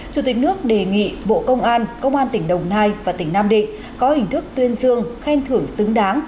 chủ tịch nước đề nghị bộ công an công an tỉnh đồng nai và tỉnh nam định có hình thức tuyên dương khen thưởng xứng đáng